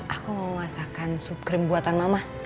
aku mau masakkan sup krim buatan mama